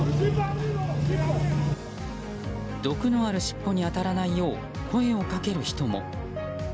毒のあるしっぽに当たらないよう声をかける人も。